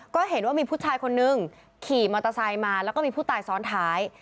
ก็เห็นว่ามีผู้ชายคนนึงขี่มอเตอร์ไซค์มาแล้วก็มีผู้ตายซ้อนท้าย